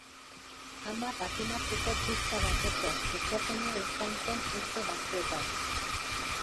Ama patinatzeko pista bateko kutxazaina izan zen urte batzuetan.